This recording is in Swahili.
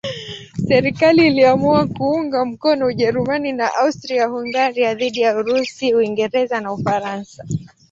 Serikali iliamua kuunga mkono Ujerumani na Austria-Hungaria dhidi ya Urusi, Uingereza na Ufaransa.